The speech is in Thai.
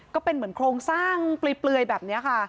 ก็เป็นเหมือนโครงสร้างเปลือยแบบนี้ค่ะ